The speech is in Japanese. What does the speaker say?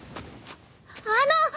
あの！